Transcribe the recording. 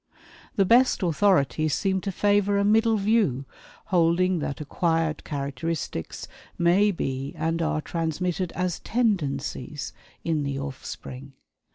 The best authorities seem to favor a middle view, holding that acquired characteristics may be and are transmitted as "tendencies" in the offspring.